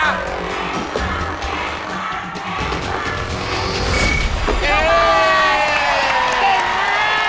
แพงกว่าแพงกว่าแพงกว่า